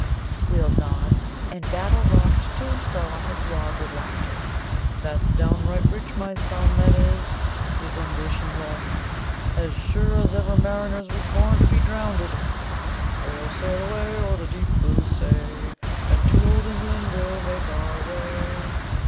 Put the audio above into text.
squealed Nod. And Battle rocked to and fro on his log with laughter. "That's downright rich, my son, that is! 'Izzuninglushum!' As sure as ever mariners was born to be drownded, "We'll sail away, o'er the deep blue say, And to old England we'll make our way."